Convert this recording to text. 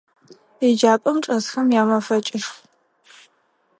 Еджапӏэм чӏэсхэм ямэфэкӏышху.